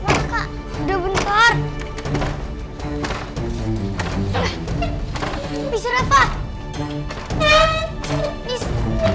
rafa tahan pintunya rafa